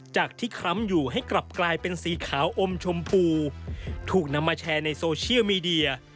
จากที่คล้ำอยู่ให้กลับกลายเป็นสีขาวอมชมพูถูกนำมาแชร์ในโซเชียลมีเดีย